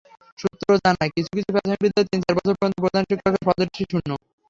সূত্র জানায়, কিছু কিছু প্রাথমিক বিদ্যালয়ে তিন-চার বছর পর্যন্ত প্রধান শিক্ষকের পদটি শূন্য।